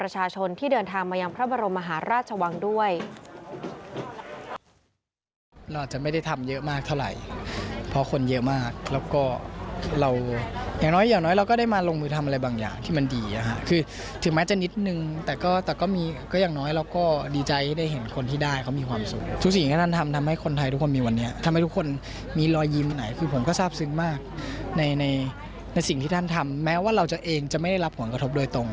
ประชาชนที่เดินทางมายังพระบรมมหาราชวังด้วย